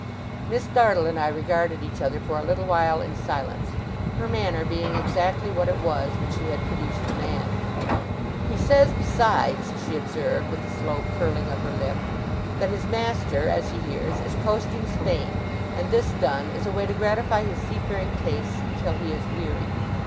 Miss Dartle and I regarded each other for a little while in silence; her manner being exactly what it was, when she had produced the man. 'He says besides,' she observed, with a slow curling of her lip, 'that his master, as he hears, is coasting Spain; and this done, is away to gratify his seafaring tastes till he is weary.